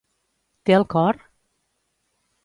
Té el cor?